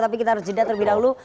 tapi kita harus jeda terlebih dahulu